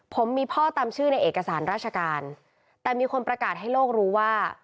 ผมมีพ่อตามชื่อในเอกสารราชการแต่มีคนประกาศให้โลกรู้ว่า